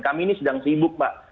kami ini sedang sibuk mbak